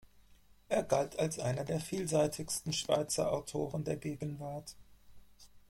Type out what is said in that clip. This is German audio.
Er galt als einer der vielseitigsten Schweizer Autoren der Gegenwart.